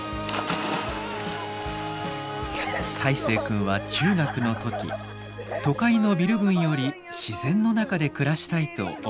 泰誠君は中学の時都会のビル群より自然の中で暮らしたいと思っていました。